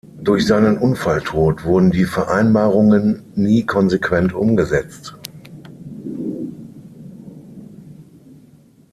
Durch seinen Unfalltod wurden die Vereinbarungen nie konsequent umgesetzt.